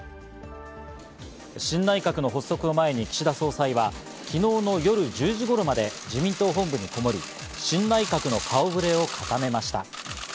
新内閣の発足を前に岸田総裁は昨日の夜１０時頃まで自民党本部にこもり新内閣の顔触れを固めました。